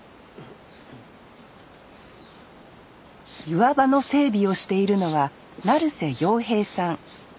岩場の整備をしているのは成瀬洋平さん